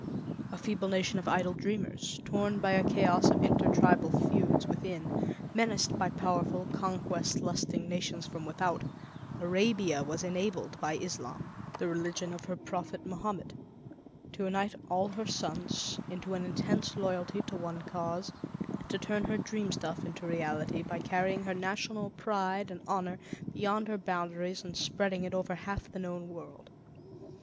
A feeble nation of idle dreamers, torn by a chaos of intertribal feuds within, menaced by powerful, conquest lusting nations from without, Arabia was enabled by Islam, the religion of her prophet Mohammed, to unite all her sons into an intense loyalty to one cause, and to turn her dream stuff into reality by carrying her national pride and honor beyond her boundaries and spreading it over half the known world.